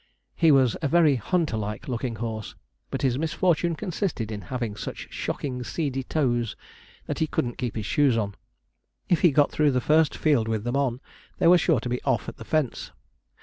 He was a very hunter like looking horse, but his misfortune consisted in having such shocking seedy toes, that he couldn't keep his shoes on. If he got through the first field with them on, they were sure to be off at the fence.